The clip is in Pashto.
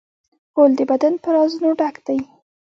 غول د بدن په رازونو ډک دی.